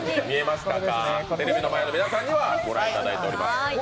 テレビの前の皆さんにはご覧いただいています。